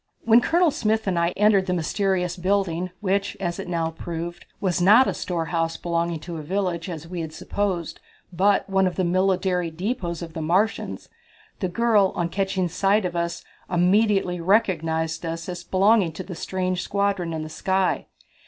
When Colonel Smith and I entered the mysterious building which, as it now proved, was not a storehouse belonging to a village, as we had supposed, but one of the military depots of the Martians, the girl, on catching sight of us, immediately recognized us as belonging to the strange squadron in the sky.